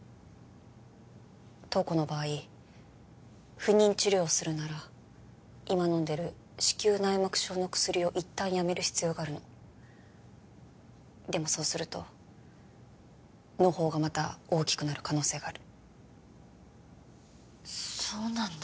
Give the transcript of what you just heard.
瞳子の場合不妊治療をするなら今飲んでる子宮内膜症の薬を一旦やめる必要があるのでもそうすると嚢胞がまた大きくなる可能性があるそうなんだ